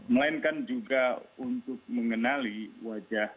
melainkan juga untuk mengenali wajah